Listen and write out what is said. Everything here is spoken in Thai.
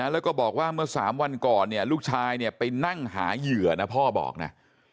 แล้วก็บอกว่าเมื่อ๓วันก่อนเนี่ยลูกชายไปนั่งหาเหยื่อนะพ่อบอกนะ